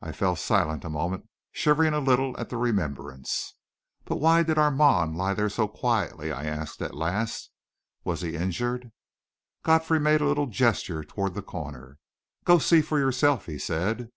I fell silent a moment, shivering a little at the remembrance. "But why did Armand lie there so quietly?" I asked, at last. "Was he injured?" Godfrey made a little gesture toward the corner. "Go see for yourself," he said.